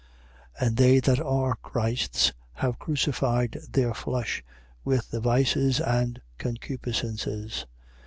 5:24. And they that are Christ's have crucified their flesh, with the vices and concupiscences.